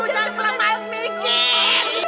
jangan kelamaan mikir